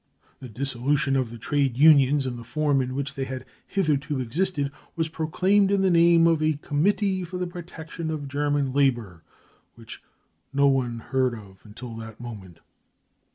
The dissolution of the trade unions in the form in which they had hitherto existed was pro claimed in the name of a " Committee for the Protection of German Labour 33 which no onerhad heard of until that moment.